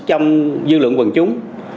trong dư luận quần chúng